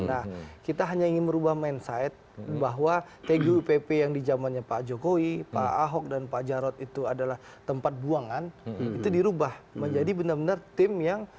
nah kita hanya ingin merubah mindset bahwa tgupp yang di zamannya pak jokowi pak ahok dan pak jarod itu adalah tempat buangan itu dirubah menjadi benar benar tim yang